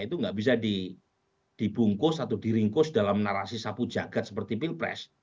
itu tidak bisa dibungkus atau diringkos dalam narasi sapu jagad seperti pilpres